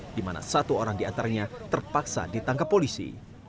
di mana satu orang di antaranya terpaksa ditangkap polisi